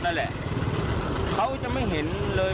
นั่นแหละเขาจะไม่เห็นเลย